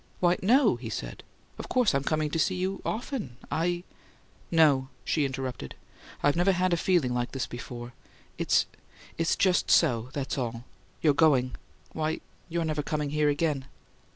"Why, no," he said. "Of course I'm coming to see you often. I " "No," she interrupted. "I've never had a feeling like this before. It's it's just SO; that's all! You're GOING why, you're never coming here again!"